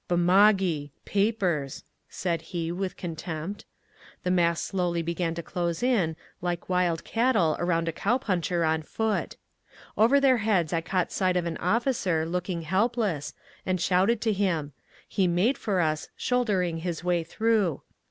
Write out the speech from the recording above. "Bumagi! Papers!" said he with contempt. The mass slowly began to close in, like wild cattle around a cowpuncher on foot. Over their heads I caught sight of an officer, looking helpless, and shouted to him. He made for us, shouldering his way through.